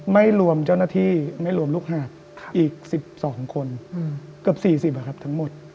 ไม่รวมเจ้าหน้าที่ไม่รวมลูกหาดอีก๑๒คน